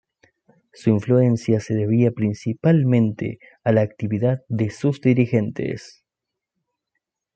Su influencia se debía principalmente a la actividad de sus dirigentes.